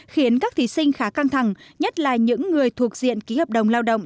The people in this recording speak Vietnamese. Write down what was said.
khiến các thí sinh khá căng thẳng nhất là những người thuộc diện ký hợp đồng lao động